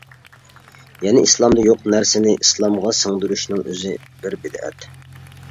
يەنى ئىسلامدا يوق نەرسىنى ئىسلامغا سىڭدۈرۈشنىڭ ئۆزى بىر بىدئەت.